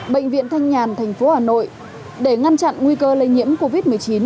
bệnh viện thanh nhàn tp hcm để ngăn chặn nguy cơ lây nhiễm covid một mươi chín